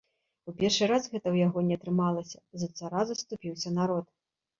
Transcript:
У першы раз гэта ў яго не атрымалася, за цара заступіўся народ.